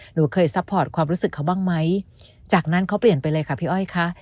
หนูเคยซัพพอร์ตความรู้สึกเขาบ้างไหมจากนั้นเขาเปลี่ยนไปเลยค่ะพี่อ้อยค่ะ